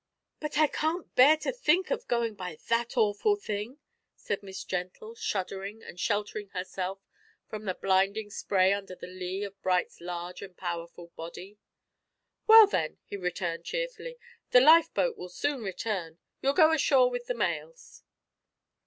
"But I can't bear to think of going by that awful thing," said Miss Gentle, shuddering and sheltering herself from the blinding spray under the lee of Bright's large and powerful body. "Well, then," he returned, cheerfully, "the lifeboat will soon return; you'll go ashore with the mails."